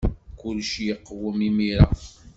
Kullec yeqwem imir-a.